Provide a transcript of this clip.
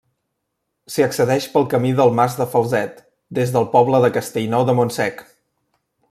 S'hi accedeix pel Camí del Mas de Falset, des del poble de Castellnou de Montsec.